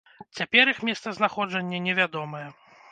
Цяпер іх месцазнаходжанне невядомае.